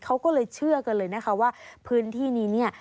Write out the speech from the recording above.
เขาก็เลยเชื่อกันเลยนะคะว่าพื้นที่นี้เนี่ย